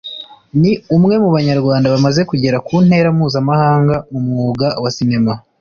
ni umwe mu Banyarwanda bamaze kugera ku ntera mpuzamahanga mu mwuga wa sinema